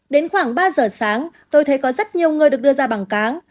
đến khoảng ba giờ sáng tôi thấy có rất nhiều người được đưa ra bằng cáng